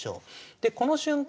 でこの瞬間